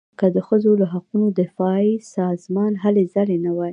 که د ښځو له حقونو دفاع سازمان هلې ځلې نه وای.